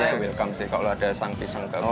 saya welcome sih kalau ada sang pisang ke gue